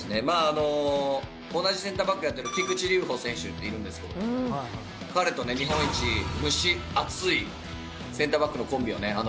まああの同じセンターバックやってる菊池流帆選手っているんですけど彼とね日本一蒸し暑いセンターバックのコンビをね